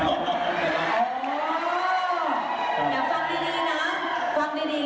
โด้โด้ไม่น่าเป็นส่วนแต่ว่าโดนโด้รู้สึกว่าเดิมจะมาช้าไปแคระ